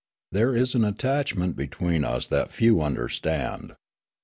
There is an attachment between us that few understand.